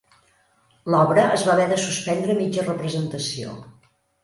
L'obra es va haver de suspendre a mitja representació.